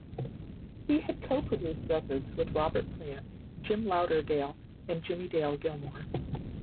He has co-produced records with Robert Plant, Jim Lauderdale and Jimmie Dale Gilmore.